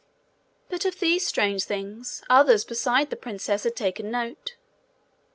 But of these strange things, others besides the princess had taken note.